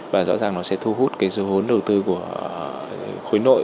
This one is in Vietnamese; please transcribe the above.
và rõ ràng nó sẽ thu hút dấu hốn đầu tư của khối nội